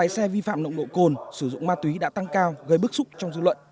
khi phạm nộng nộ cồn sử dụng ma túy đã tăng cao gây bức xúc trong dư luận